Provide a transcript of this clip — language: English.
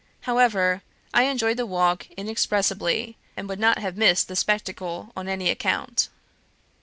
However, I enjoyed the walk inexpressibly, and would not have missed the spectacle on any account."